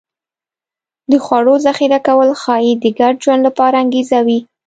د خوړو ذخیره کول ښایي د ګډ ژوند لپاره انګېزه وي